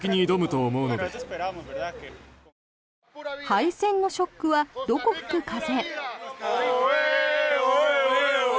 敗戦のショックはどこ吹く風。